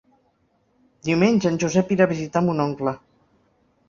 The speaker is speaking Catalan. Diumenge en Josep irà a visitar mon oncle.